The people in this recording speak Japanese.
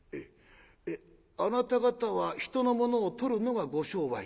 「ええあなた方は人のものをとるのがご商売。